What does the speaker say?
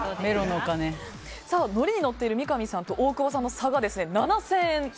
ノリに乗っている三上さんと大久保さんの差が７０００円